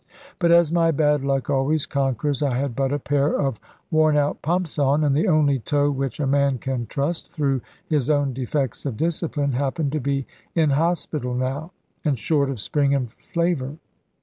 But as my bad luck always conquers I had but a pair of worn out pumps on, and the only toe which a man can trust (through his own defects of discipline) happened to be in hospital now, and short of spring and flavour.